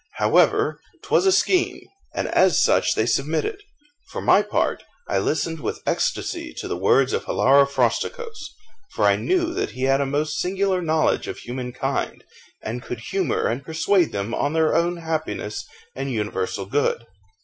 However, 'twas a scheme, and as such they submitted. For my part, I listened with ecstasy to the words of Hilaro Frosticos, for I knew that he had a most singular knowledge of human kind, and could humour and persuade them on to their own happiness and universal good.